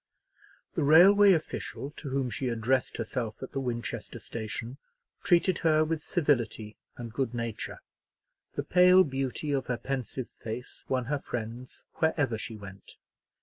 The railway official to whom she addressed herself at the Winchester station treated her with civility and good nature. The pale beauty of her pensive face won her friends wherever she went.